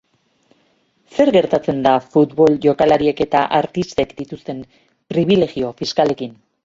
Zer gertatzen da futbol jokalariek eta artistek dituzten pribilejio fiskalekin?